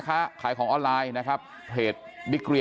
โลกไว้แล้วพี่ไข่โลกไว้แล้วพี่ไข่